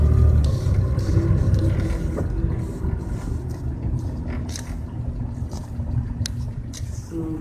শেরিফের নির্দেশের সঙ্গে সঙ্গে দড়িতে টান লাগে, খুলে যায় ট্র্যাপ ডোর।